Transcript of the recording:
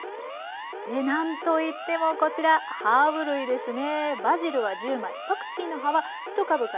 で何といってもこちらハーブ類ですね。